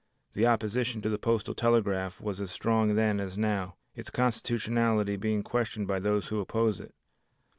The opposition to the postal telegraph was as strong then as now, its constitutionality being questioned by those who oppose it.